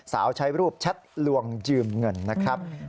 ใช้รูปแชทลวงยืมเงินนะครับ